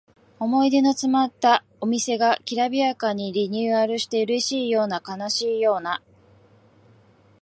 思い出のつまったお店がきらびやかにリニューアルしてうれしいような悲しいような